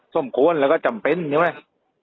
สมควรแล้วก็จำเป็นใช่ไหม